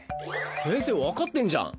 先生分かってんじゃん。